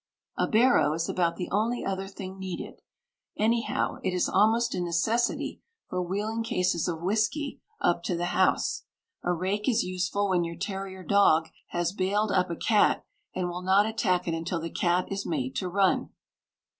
A barrow is about the only other thing needed; anyhow, it is almost a necessity for wheeling cases of whisky up to the house. A rake is useful when your terrier dog has bailed up a cat, and will not attack it until the cat is made to run.